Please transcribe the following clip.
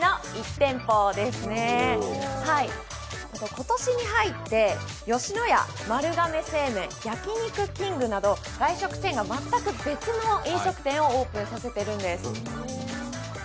今年に入って吉野家、丸亀製麺、焼肉きんぐなど外食店が全く別の飲食店をオープンさせているんです。